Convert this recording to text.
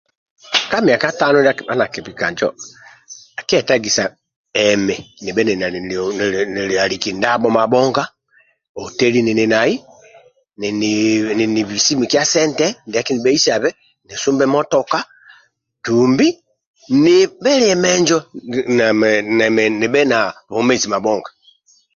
Ka miaka tano ndia akibha na kibhika injo akietagisa emi nibhe ninilialiki ndabho mabhonga hoteli ninili nai nini bisi mikia sente ndia akibheisabe nisumbe matoka dumbi nibhelie menjo nemi nibhe na bwomezi mabhonga